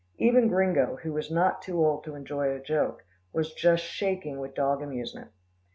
Even Gringo, who was not too old to enjoy a joke, was just shaking with dog amusement.